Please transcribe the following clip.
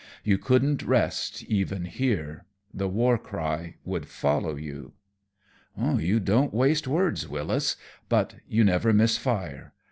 You couldn't rest, even here. The war cry would follow you." "You don't waste words, Wyllis, but you never miss fire.